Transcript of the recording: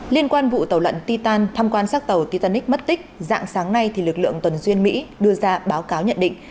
liên quan vụ tàu lận titan thăm quan sát tàu titanic mất tích dạng sáng nay lực lượng tuần duyên mỹ đưa ra báo cáo nhận định